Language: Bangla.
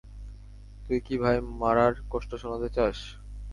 তুই কি ভাই মারার কষ্ট শোনতে চাস?